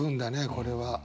これは。